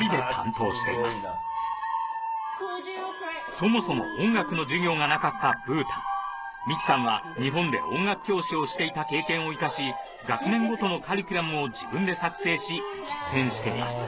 そもそも音楽の授業がなかったブータン美紀さんは日本で音楽教師をしていた経験を活かし学年ごとのカリキュラムを自分で作成し実践しています